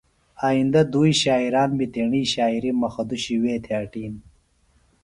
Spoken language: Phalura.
آئندہ دُوئی شاعران بیۡ تیݨی شاعری مخدوشی وے تھےۡ اٹیِن۔